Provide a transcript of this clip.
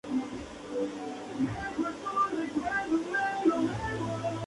Su acercamiento fue meramente especulativo y con escaso fundamento.